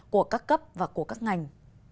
của các cấp và của các ngành